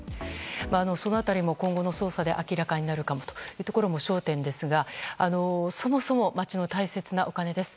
その辺りも今後の捜査で明らかになるかもというところも焦点ですがそもそも町の大切なお金です。